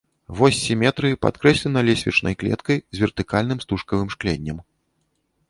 Вось сіметрыі падкрэслена лесвічнай клеткай з вертыкальным стужкавым шкленнем.